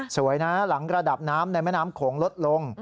สวยนะหลังระดับน้ำในแม่น้ำโขงลดลง